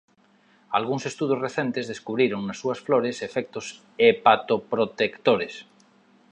Algúns estudos recentes descubriron nas súas flores efectos hepatoprotectores.